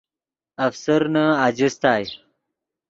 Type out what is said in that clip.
افسرنے اجستائے